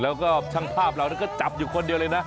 แล้วก็ช่างภาพเราก็จับอยู่คนเดียวเลยนะ